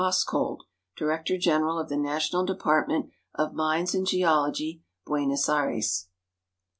Hoskold, Director General of the National Department of Mines and Geology, Buenos Aires.